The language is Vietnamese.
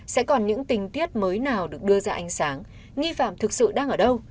sẽ còn những tình tiết mới nào được đưa ra ánh sáng nghi phạm thực sự đang ở đâu